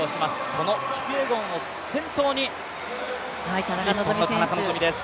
そのキピエゴンを先頭に日本の田中希実です。